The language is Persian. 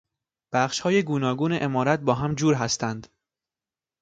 بخشهای گوناگون عمارت با هم جور هستند.